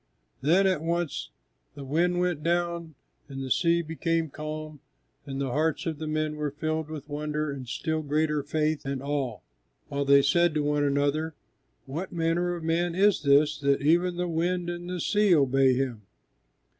Then at once the wind went down and the sea became calm, and the hearts of the men were filled with wonder and still greater faith and awe, while they said to one another, "What manner of man is this, that even the wind and the sea obey Him?"